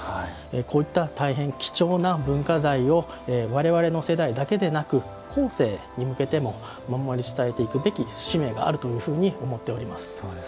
こういった大変貴重な文化財をわれわれの世代だけでなく後世に向けても守り伝えていくべき使命があるというふうに思っています。